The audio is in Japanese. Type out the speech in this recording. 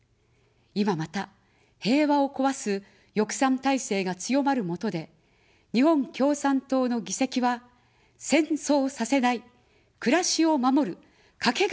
いままた、平和を壊す翼賛体制が強まるもとで、日本共産党の議席は、戦争させない、暮らしを守る、かけがえのない力です。